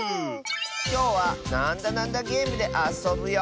きょうは「なんだなんだゲーム」であそぶよ。